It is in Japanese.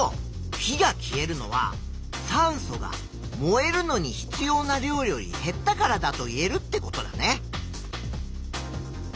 火が消えるのは酸素が燃えるのに必要な量より減ったからだといえるってことだね。